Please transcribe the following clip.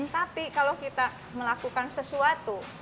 tapi kalau kita melakukan sesuatu